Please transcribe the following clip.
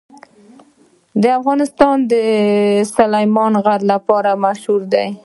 افغانستان د سلیمان غر لپاره مشهور دی.